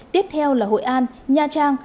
tiếp theo là hội an nha trang